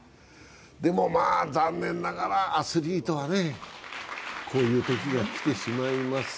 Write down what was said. でも、残念ながらアスリートはこういう時が来てしまいます。